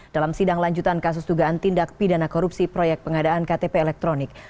dalam sidang lanjutan kasus dugaan tindak pidana korupsi proyek pengadaan ktp elektronik